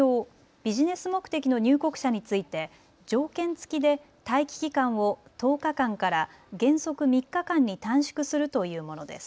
ビジネス目的の入国者について条件付きで待機期間を１０日間から原則３日間に短縮するというものです。